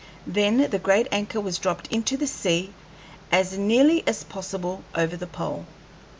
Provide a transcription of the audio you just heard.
Then the great anchor was dropped into the sea, as nearly as possible over the pole.